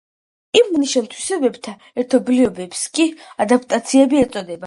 იმ ნიშან-თვისებათა ერთობლიობებს კი ადაპტაციები ეწოდება.